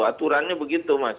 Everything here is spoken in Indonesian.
aturannya begitu mas